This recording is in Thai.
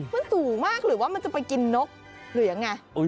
มันสูงมากหรือว่ามันจะไปกินนกหรือยังไง